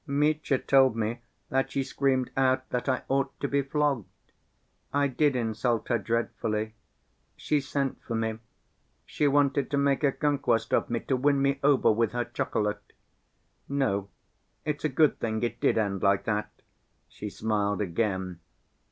"Mitya told me that she screamed out that I 'ought to be flogged.' I did insult her dreadfully. She sent for me, she wanted to make a conquest of me, to win me over with her chocolate.... No, it's a good thing it did end like that." She smiled again.